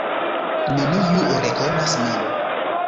Neniu rekonas min.